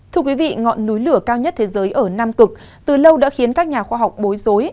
thưa quý vị ngọn núi lửa cao nhất thế giới ở nam cực từ lâu đã khiến các nhà khoa học bối rối